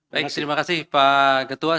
baik terima kasih pak ketua